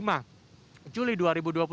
ketika awal ppkm darurat diterapkan